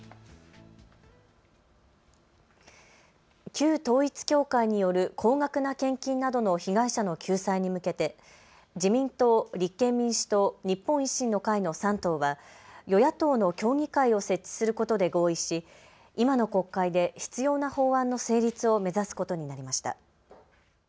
旧統一教会による高額な献金などの被害者の救済に向けて自民党、立憲民主党、日本維新の会の３党は与野党の協議会を設置することで合意し今の国会で必要な法案の成立を目指すことになりました。